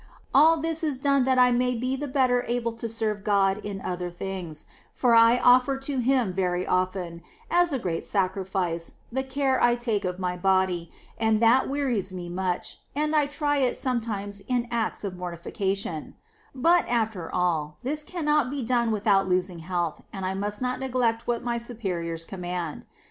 All this is done that I may be the better able to serve God in other things, for I offer to Him very often, as a great sacrifice, the care I take of my body, and that wearies me much, and I try it sometimes in acts of mortification ; but, after all, this cannot be done without losing health, and I must not neglect what my superiors command.